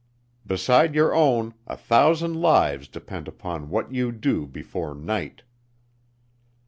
Beside your own, a thousand lives depend upon what you do before night."